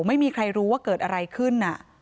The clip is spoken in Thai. ไม่มีใครรู้ว่าเกิดอะไรขึ้น